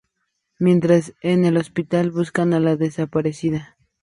Mientras, en el hospital buscan a la desaparecida.